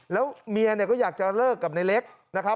แล้วเมียเนี่ยก็อยากจะเลิกกับในเล็กนะครับ